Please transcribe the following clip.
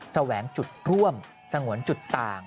แสวงจุดร่วมสงวนจุดต่าง